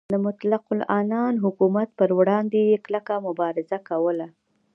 د مطلق العنان حکومت پروړاندې یې کلکه مبارزه کوله.